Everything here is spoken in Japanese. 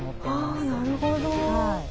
あなるほど。